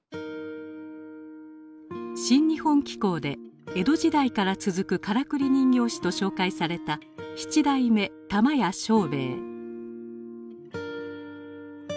「新日本紀行」で江戸時代から続くからくり人形師と紹介された七代目玉屋庄兵衛。